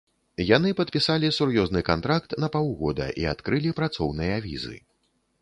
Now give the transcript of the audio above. Яны падпісалі сур'ёзны кантракт на паўгода і адкрылі працоўныя візы.